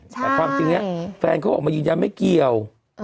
แต่ความจริงนี้แฟนเขาออกมายืนยันไม่เกี่ยว